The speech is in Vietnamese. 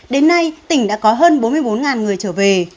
đến nay tỉnh đã có hơn bốn mươi bốn người trở về